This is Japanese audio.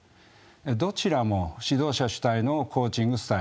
どちらも指導者主体のコーチングスタイルです。